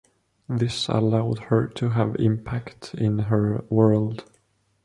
This allowed her to have impact in her world.